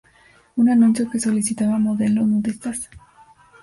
Un anuncio que solicitaba modelos nudistas.